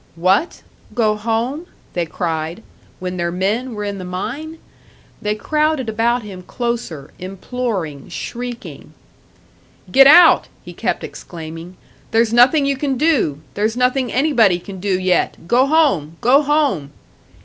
What? Go home? they cried. When their men were in the mine? They crowded about him closer, imploring, shrieking. "Get out!" he kept exclaiming. "There's nothing you can do! There's nothing anybody can do yet! Go home! Go home!"